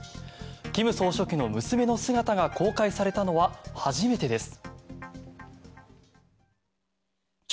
金総書記の娘の姿が公開されたのは初めてです。